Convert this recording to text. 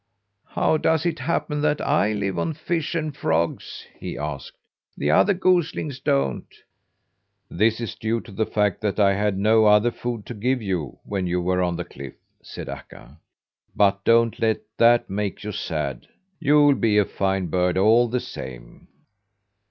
"How does it happen that I live on fish and frogs?" he asked. "The other goslings don't." "This is due to the fact that I had no other food to give you when you were on the cliff," said Akka. "But don't let that make you sad. You'll be a fine bird all the same."